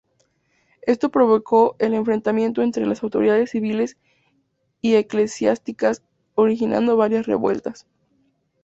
Esto provocó el enfrentamiento entre las autoridades civiles y eclesiásticas, originando varias revueltas.